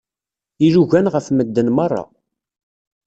Ilugan ɣef medden merra.